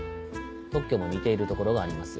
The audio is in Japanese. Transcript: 特許も似ているところがあります。